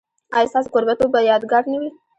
ایا ستاسو کوربه توب به یادګار نه وي؟